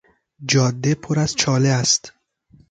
جاده پر از چاله است.